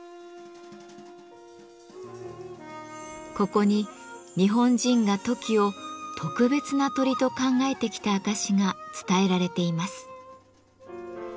ここに日本人がトキを特別な鳥と考えてきた証しが伝えられています。